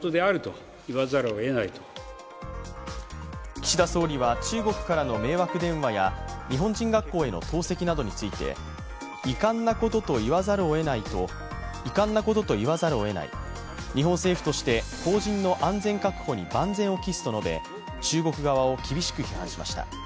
岸田総理は、中国からの迷惑電話や日本人学校への投石などについて、遺憾なことと言わざるを得ない、日本政府として邦人の安全確保に万全を期すと述べ中国側を厳しく批判しました。